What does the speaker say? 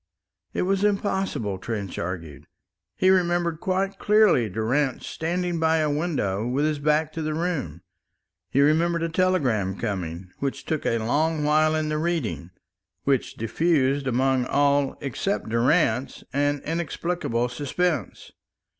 It was impossible, Trench argued. He remembered quite clearly Durrance standing by a window with his back to the room. He remembered a telegram coming which took a long while in the reading which diffused among all except Durrance an inexplicable suspense.